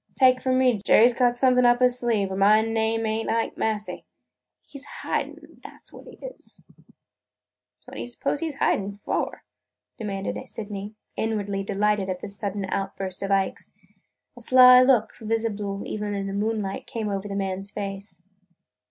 Take it from me, Jerry 's got something up his sleeve, or my name ain't Ike Massey! He 's hidin' – that 's what he is!" "But what do you suppose he 's hiding for?" demanded Sydney, inwardly delighted at this sudden outburst of Ike's. A sly look, visible even in the moonlight, came over the man's face.